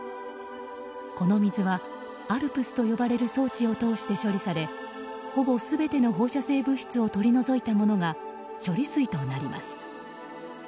この水は、ＡＬＰＳと呼ばれる装置を通して処理されほぼ全ての放射性物質を取り除いたものが処理水となります。